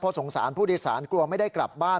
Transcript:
สงสารผู้โดยสารกลัวไม่ได้กลับบ้าน